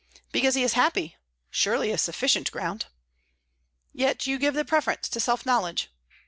"Because he is happy; surely a sufficient ground." "Yet you give the preference to self knowledge."